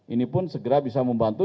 ini pun segera bisa membantu